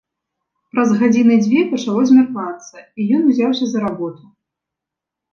Праз гадзіны дзве пачало змяркацца, і ён узяўся за работу.